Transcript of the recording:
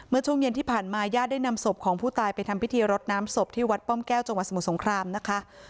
ช่วงเย็นที่ผ่านมาญาติได้นำศพของผู้ตายไปทำพิธีรดน้ำศพที่วัดป้อมแก้วจังหวัดสมุทรสงครามนะคะ